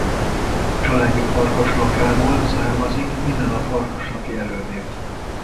Családja Farkaslakáról származik innen a farkaslaki előnév.